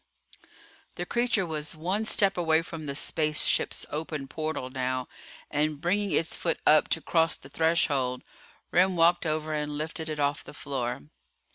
The creature was one step away from the space ship's open portal now and bringing its foot up to cross the threshold. Remm walked over and lifted it off the floor.